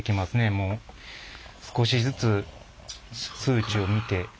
少しずつ数値を見て。